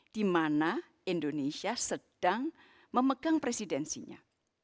dimana indonesia sedang memegang presidensinya